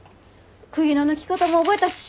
釘の抜き方も覚えたし。